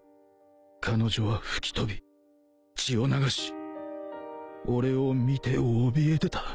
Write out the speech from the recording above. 彼女は吹き飛び血を流し俺を見ておびえてた